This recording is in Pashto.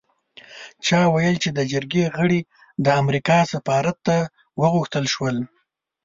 چا ویل چې د جرګې غړي د امریکا سفارت ته وغوښتل شول.